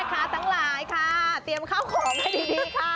ขอขอบแม่ค้าทั้งหลายค่ะเตรียมข้าวของให้ดีค่ะ